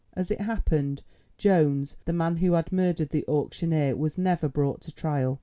As it happened, Jones, the man who had murdered the auctioneer, was never brought to trial.